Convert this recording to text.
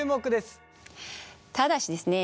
ただしですね